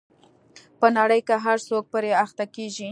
په نړۍ کې هر څوک پرې اخته کېږي.